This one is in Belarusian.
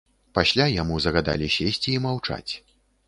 Пасля яму загадалі сесці і маўчаць.